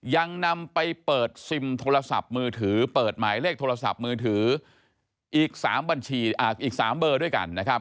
ยังนำไปเปิดซิมโทรศัพท์มือถือเปิดหมายเลขโทรศัพท์มือถืออีก๓บัญชีอีก๓เบอร์ด้วยกันนะครับ